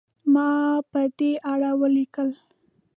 ما په دې اړه ولیکل.